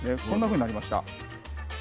こんなふうになりました。